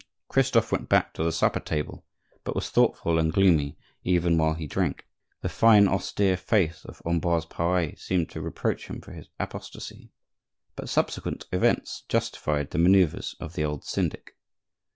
Christophe went back to the supper table, but was thoughtful and gloomy even while he drank; the fine, austere face of Ambroise Pare seemed to reproach him for his apostasy. But subsequent events justified the manoeuvres of the old syndic.